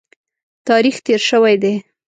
تاریخ تېر شوی دی.